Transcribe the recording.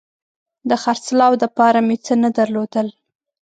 د خرڅلاو دپاره مې څه نه درلودل